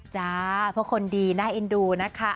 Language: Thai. จ้าเพราะคนดีน่าเอ็นดูนะคะ